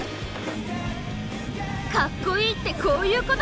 カッコいいってこういうこと！